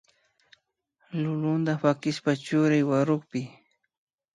Lulunta pakishpa churay warukpi